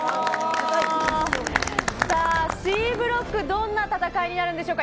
Ｃブロック、どんな戦いになるんでしょうか。